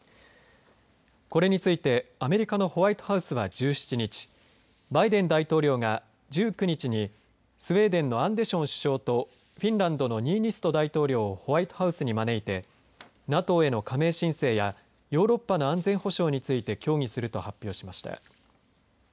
これについてアメリカのホワイトハウスは１７日バイデン大統領が１９日にスウェーデンのアンデション首相とフィンランドのニーニスト大統領をホワイトハウスに招いてＮＡＴＯへの加盟申請やヨーロッパの安全保障について協議すると発表しました。